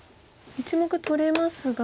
１目取れますが。